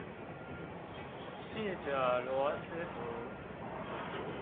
逝者羅斯福